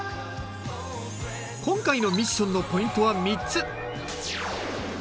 今回のミッションのポイントは３つ。